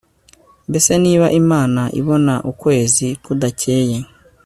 mbese niba imana ibona ukwezi kudacyeye